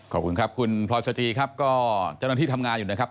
ขอบคุณครับคุณพลอยสจีครับก็เจ้าหน้าที่ทำงานอยู่นะครับ